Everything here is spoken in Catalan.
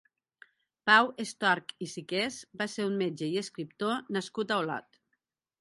Pau Estorch i Siqués va ser un metge i escriptor nascut a Olot.